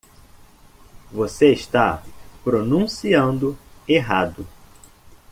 Você está pronunciando errado.